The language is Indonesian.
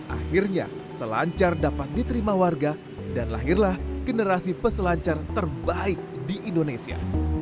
akhirnya selancar dapat diterima warga dan lahirlah generasi peselancar terbaik di indonesia